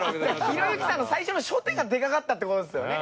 ひろゆきさんの最初の初手がでかかったって事ですよね。